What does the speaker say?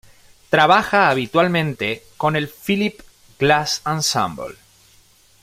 Trabaja habitualmente con el Philip Glass Ensemble.